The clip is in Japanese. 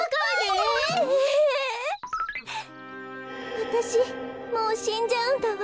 わたしもうしんじゃうんだわ。